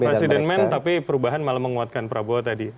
all president men tapi perubahan malah menguatkan prabowo tadi